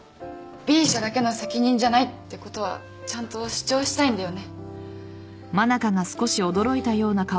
Ｂ社だけの責任じゃないってことはちゃんと主張したいんだよね。